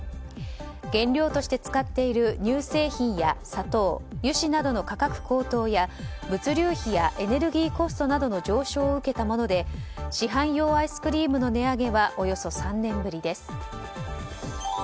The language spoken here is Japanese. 原料として使っている乳製品や砂糖、油脂などの価格高騰や物流費やエネルギーコストなどの上昇を受けたもので市販用アイスクリームの値上げはおよそ３年ぶりです。